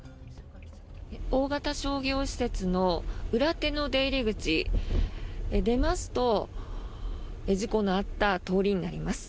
大型商業施設の裏手の出入り口を出ますと事故のあった通りになります。